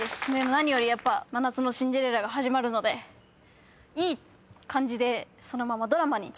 何よりやっぱ『真夏のシンデレラ』が始まるのでいい感じでそのままドラマに直進できたらいいなと思ってます。